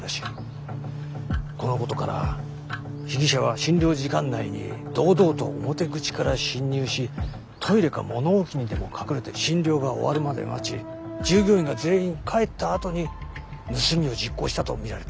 このことから被疑者は診療時間内に堂々と表口から侵入しトイレか物置にでも隠れて診療が終わるまで待ち従業員が全員帰ったあとに盗みを実行したと見られている。